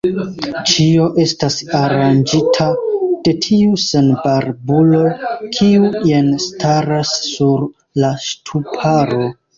Ĉio estas aranĝita de tiu senbarbulo, kiu jen staras sur la ŝtuparo.